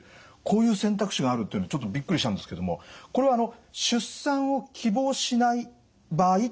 こういう選択肢があるっていうのちょっとびっくりしたんですけどもこれは出産を希望しない場合っていうことで考えていいんですか？